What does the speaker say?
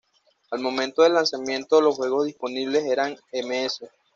Al momento del lanzamiento, los juegos disponibles eran "Ms.